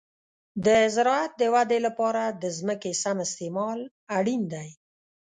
د زراعت د ودې لپاره د ځمکې سم استعمال اړین دی.